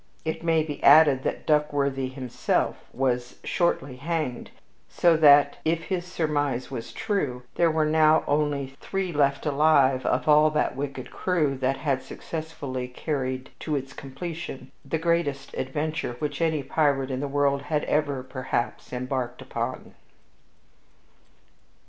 It may be added that Duckworthy himself was shortly hanged, so that, if his surmise was true, there were now only three left alive of all that wicked crew that had successfully carried to its completion the greatest adventure which any pirate in the world had ever, perhaps, embarked upon.